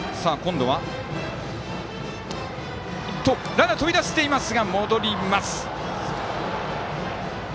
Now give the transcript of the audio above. ランナー、飛び出していたが戻りました。